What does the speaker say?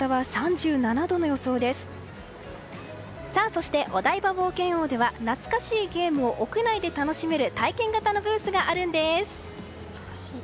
そして、お台場冒険王では懐かしいゲームを屋内で楽しめる体験型のブースがあるんです。